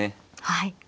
はい。